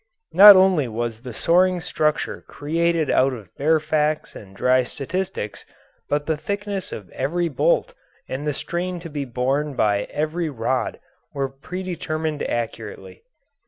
Not only was the soaring structure created out of bare facts and dry statistics, but the thickness of every bolt and the strain to be borne by every rod were predetermined accurately.